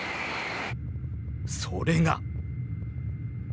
それが。